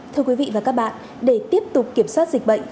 thưa quý vị và các bạn để tiếp tục kiểm soát dịch bệnh